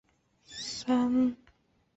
扁刺蔷薇为蔷薇科蔷薇属下的一个变种。